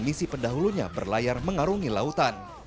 misi pendahulunya berlayar mengarungi lautan